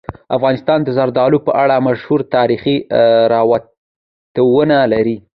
افغانستان د زردالو په اړه مشهور تاریخی روایتونه لري.